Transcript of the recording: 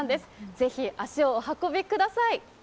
ぜひ足をお運びください。